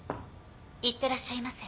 いってらっしゃいませ。